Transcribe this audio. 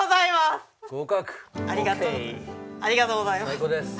最高です。